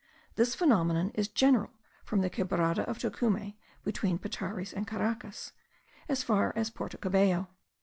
This phenomenon is general from the Quebrada of Tocume, between Petares and Caracas, as far as Porto Cabello.